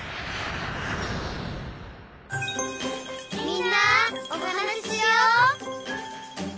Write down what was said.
「みんなおはなししよう」